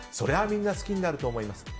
みんな好きになると思います。